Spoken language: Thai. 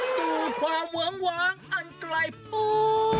สู่ความหวังหวางอันไกลฟูน